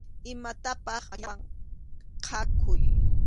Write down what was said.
Imatapaq makillawan khakuy.